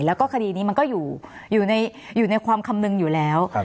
แล้วก็คดีนี้มันก็อยู่ในความคำนึงอยู่แล้ว